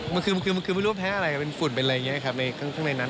มันคือไม่รู้ว่าแพ้อะไรเป็นฝุ่นเป็นอะไรอย่างนี้ครับในข้างในนั้น